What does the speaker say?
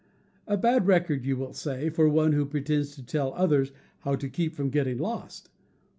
A bad record, you will say, for one who pretends to tell others how to keep from getting lost!